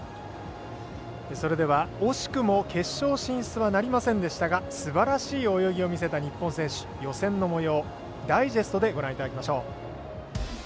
それでは、惜しくも決勝進出はなりませんでしたがすばらしい泳ぎを見せた日本選手予選のもようダイジェストでご覧いただきましょう。